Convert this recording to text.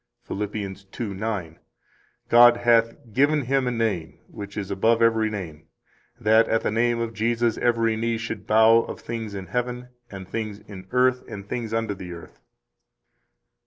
24 Phil. 2:9: God hath given Him a name which is above every name, that at the name of Jesus every knee should bow, of things in heaven, and things in earth, and things under the earth.